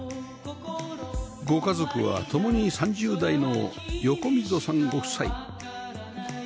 ご家族は共に３０代の横溝さんご夫妻